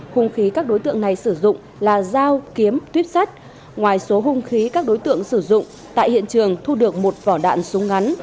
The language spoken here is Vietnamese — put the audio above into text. hùng khí các đối tượng này sử dụng là dao kiếm tuyếp sắt ngoài số hung khí các đối tượng sử dụng tại hiện trường thu được một vỏ đạn súng ngắn